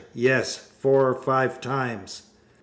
Yes. Four or five times.